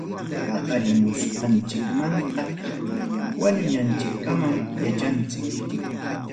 Paqarimusqanchikmantam wañunanchikkama yachanchik.